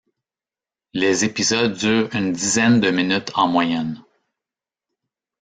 Les épisodes durent une dizaine de minutes en moyenne.